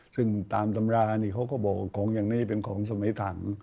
ซึ่งตามตำรานี่เขาก็บอกว่าของอย่างนี้เป็นของสมัยถัง